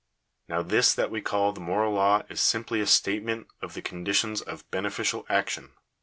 Now this that we call the moral law is simply a statement of the conditions of beneficial action.